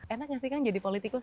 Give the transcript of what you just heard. enak nggak sih kang jadi politikus